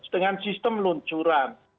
dengan sistem luncuran